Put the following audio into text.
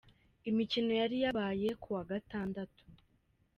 Imikino yari yabaye ku wa Gatandatu.